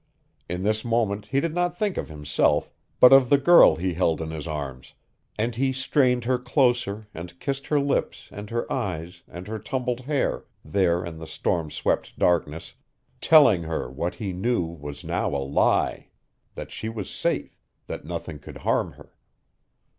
In this moment he did not think of himself, but of the girl he held in his arms, and he strained her closer and kissed her lips and her eyes and her tumbled hair there in the storm swept darkness, telling her what he knew was now a lie that she was safe, that nothing could harm her.